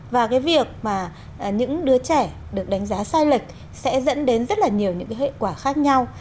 và cái việc mà những đứa trẻ được đánh giá sai lệch sẽ dẫn đến rất là nhiều những cái hệ quả khác nhau